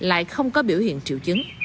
lại không có biểu hiện triệu chứng